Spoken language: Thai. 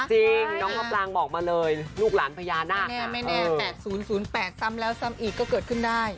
จริงน้องมะปรางบอกมาเลยลูกหลานพญานาคแน่ไม่แน่๘๐๐๘ซ้ำแล้วซ้ำอีกก็เกิดขึ้นได้